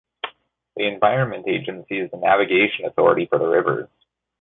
The Environment Agency is the navigation authority for the river.